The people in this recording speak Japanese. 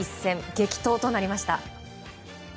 激闘となりました。